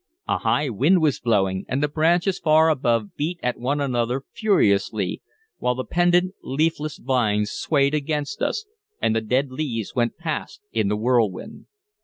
A high wind was blowing, and the branches far above beat at one another furiously, while the pendent, leafless vines swayed against us, and the dead leaves went past in the whirlwind.